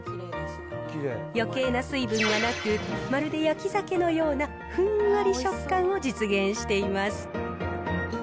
よけいな水分がなく、まるで焼き鮭のようなふんわり食感を実現しています。